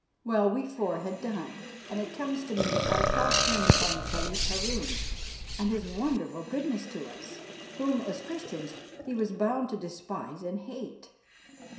Well, we four had dined, and it comes to me that our talk turned upon the Caliph Harun and his wonderful goodness to us, whom as Christians he was bound to despise and hate.